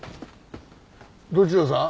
どちらさん？